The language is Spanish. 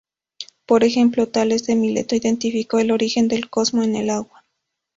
Por ejemplo, Tales de Mileto identificó el origen del cosmos en el agua.